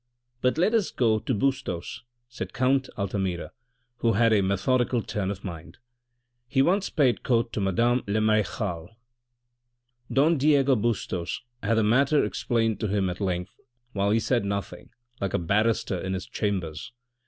But let us go to Bustos," said Count Altamira who had a methodical turn of mind; "he once paid court to madame la marechale." Don Diego Bustos had the matter explained to him at length, while he said nothing, like a barrister in his chambers.